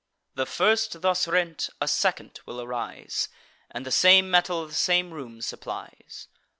The first thus rent a second will arise, And the same metal the same room supplies.